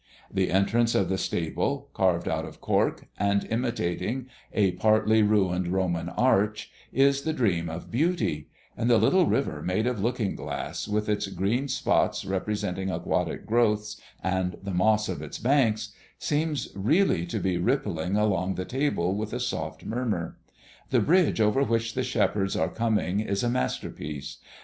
The entrance of the stable, carved out of cork, and imitating a partly ruined Roman arch, is a dream of beauty; and the little river made of looking glass, with its green spots representing aquatic growths and the moss of its banks, seems really to be rippling along the table with a soft murmur. The bridge over which the shepherds are coming is a masterpiece.